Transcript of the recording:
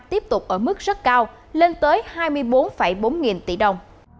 tiếp tục ở mức rất cao lên tới hai mươi bốn bốn nghìn tỷ đồng